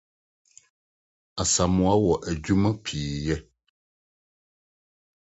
Asamoah wɔ adwuma pii yɛ